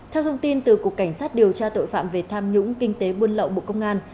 theo thông tin từ cục cảnh sát điều tra tội phạm về tham nhũng kinh tế buôn lậu bộ công an